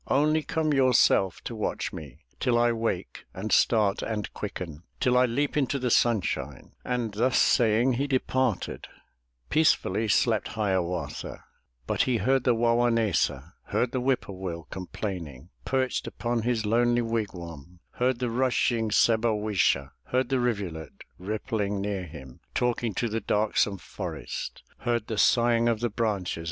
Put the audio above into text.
Only come yourself to watch me, Till I wake, and start, and quicken, Till I leap into the sunshine/' And thus saying, he departed; Peacefully slept Hiawatha, But he heard the Wa wo nais'sa, Heard the whip poor will complaining, Perched upon his lonely wigwam; Heard the rushing Se bo wish'a, Heard the rivulet rippling near him, Talking to the darksome forest; Heard the sighing of the branches.